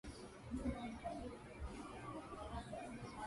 Avars and Kumyks live there.